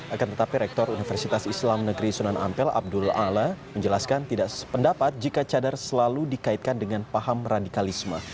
akan tetapi rektor universitas islam negeri sunan ampel abdul ala menjelaskan tidak sependapat jika cadar selalu dikaitkan dengan paham radikalisme